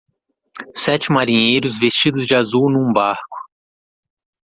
Sete marinheiros vestidos de azul num barco.